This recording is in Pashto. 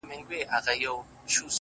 نوره به دي زه له ياده وباسم!!